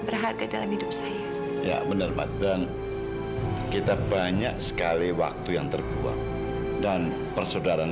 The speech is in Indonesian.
berharga dalam hidup saya ya benar mbak dan kita banyak sekali waktu yang terbuang dan persaudaraan